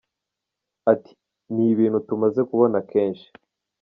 Ati″ Ni ibintu tumaze kubona kenshi.